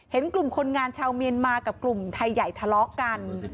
เห็นกลุ่มคนงานชาวเมียนมากับกลุ่มไทยใหญ่ทะเลาะกัน